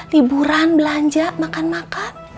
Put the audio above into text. liburan belanja makan makan